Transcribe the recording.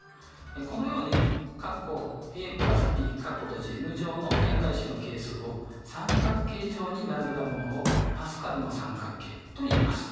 このようにの展開式の係数を三角形状に並べたものをパスカルの三角形といいます。